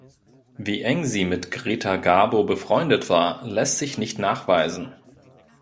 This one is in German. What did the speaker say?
Wie eng sie mit Greta Garbo befreundet war, lässt sich nicht nachweisen.